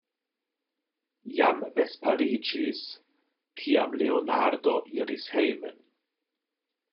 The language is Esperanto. Jam vesperiĝis, kiam Leonardo iris hejmen.